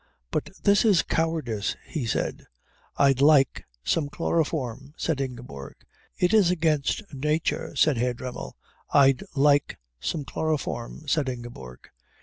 "But this is cowardice," he said. "I'd like some chloroform," said Ingeborg. "It is against nature," said Herr Dremmel. "I'd like some chloroform," said Ingeborg.